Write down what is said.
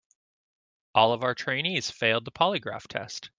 All of our trainees failed the polygraph test.